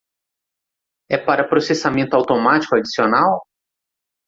É para processamento automático adicional?